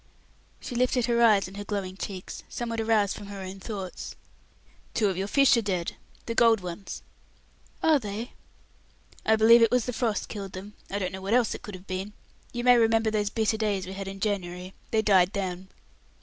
She lifted her eyes and her glowing cheeks, somewhat aroused from her own thoughts. "Two of your fish are dead. The gold ones." "Are they?" "I believe it was the frost killed them; I don't know what else it could have been. You may remember those bitter days we had in January; they died then."